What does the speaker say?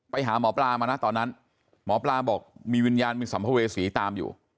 ไปหาหมอปลามานะตอนนั้นหมอปลาบอกมีวิญญาณมีสัมภเวษีตามอยู่